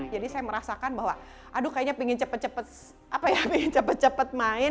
jadi saya merasakan bahwa aduh kayaknya pengen cepet cepet main